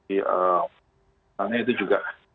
tidak hanya itu juga